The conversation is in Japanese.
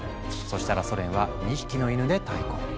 そしたらソ連は２匹のイヌで対抗。